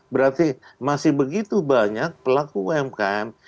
berarti masih begitu banyak pelaku umkm